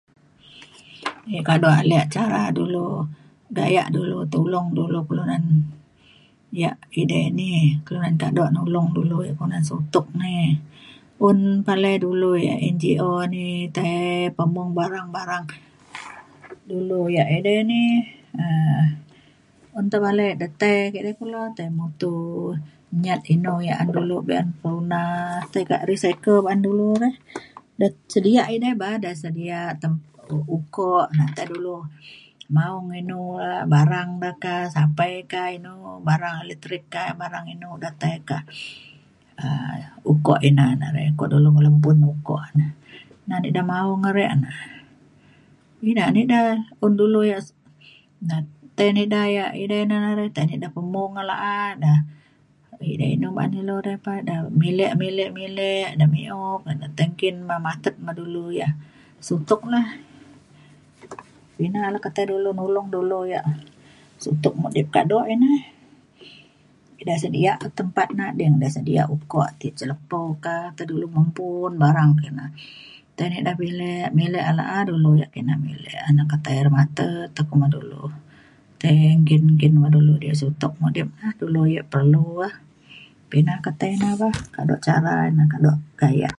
E kado ale cara dulu gayak dulu tulong dulu kelunan ia’ edai ini kelunan kado nulong dulu ia’ kelunan sutok ni un palei dulu ia’ NGO ni tai pemung barang barang dula ia’ edai ni um un tepalai ida tai kidi kulu tai mutu nyat inu ia’ an dulu be’un guna tai ka recycle ba’an dulu re. Da sedia edai ba sedia tem- ukok na tai dulu maong inu barang da ka sapai ka inu barang elektrik ka barang inu ida tai ka um ukok ina na re. Ukok dulu ngelembun ukok na. Na na ida maong na re na ina na ida un dulu ia’ na tei na ida na re tai ida pemung ngan la’a da edai inu ba’an na re pa da milek milek milek da mi’uk da tai nggin matet ngan dulu ia’ suntok lah. Ina la ketai dulu nulong dulu ia’ suntok mudip kado ina ida sedia tempat nading ida sedia ia’ ukok ti ca lepau ka ta dulu mempun barang kina tai na ida milek pilek ia’ la’a ia kina milek na ketai ida matet kuma dulu tai nggin nggin ngan dulu diak suntok mudip na dulu ia’ perlu um pindah ketai na bah kado ca la’a ina kado gayak.